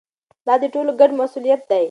دا د ټولو ګډ مسؤلیت دی.